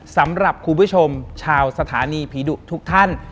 สำหรับคุณผู้ชมชาวสถานีผีดุทุกท่าน